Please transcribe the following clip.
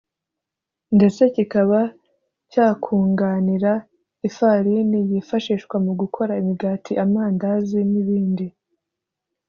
ndetse kikaba cyakunganira ifarini yifashishwa mu gukora imigati amandazi n’ibindi